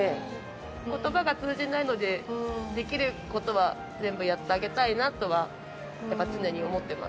言葉が通じないのでできることは全部やってあげたいなとは常に思ってます。